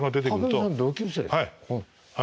はい。